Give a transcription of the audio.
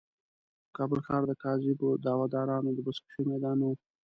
کابل ښار د کاذبو دعوه دارانو د بزکشې میدان نه و.